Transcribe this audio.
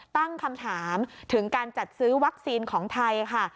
ตั้งคำถามถึงการจัดซื้อวัคซีนของไทยค่ะ